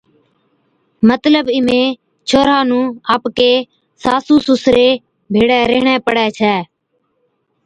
مطلب ايمَھين ڇوھَرا نُون آپڪي ساسُو سُسري ڀيڙي ريھڻي پَڙي ڇَي